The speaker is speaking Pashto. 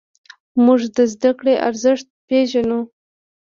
موږ د زدهکړې ارزښت پېژنو.